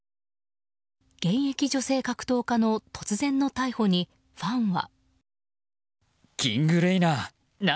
現役女性格闘家の突然の逮捕にファンは。